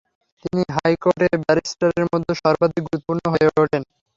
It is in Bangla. তিনি হাইকোর্টে ব্যারিস্টারের মধ্যে সর্বাধিক গুরুত্বপূর্ণ হয়ে ওঠেন।